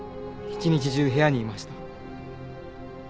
一日中部屋にいました。